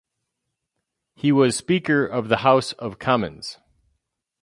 He was Speaker of the House of Commons.